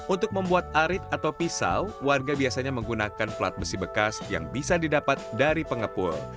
untuk membuat arit atau pisau warga biasanya menggunakan plat besi bekas yang bisa didapat dari pengepul